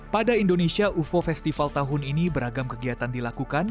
pada indonesia ufo festival tahun ini beragam kegiatan dilakukan